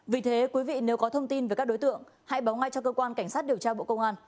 vì thế quý vị nếu có thông tin về các đối tượng hãy báo ngay cho cơ quan cảnh sát điều tra bộ công an